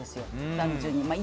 単純に。